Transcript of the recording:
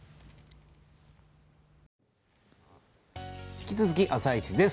引き続き「あさイチ」です。